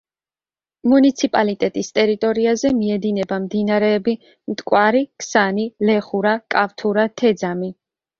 მუნიციპალიტეტის ტერიტორიაზე მიედინება მდინარეები მტკვარი, ქსანი, ლეხურა, კავთურა, თეძამი.